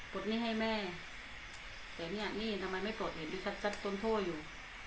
ตัวนี้ให้แม่แต่เนี่ยนี่ทำไมไม่ตัวเองที่ชัดต้นโท่อยู่